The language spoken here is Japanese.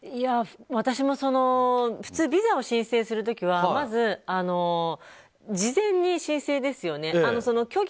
私も普通、ビザを申請する時はまず、事前に申請ですよね。